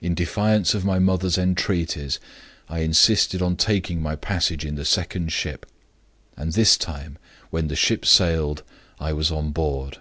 In defiance of my mother's entreaties, I insisted on taking my passage in the second ship and this time, when the ship sailed, I was on board.